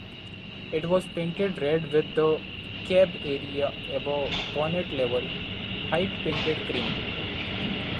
It was painted red, with the cab area above bonnet-level height painted cream.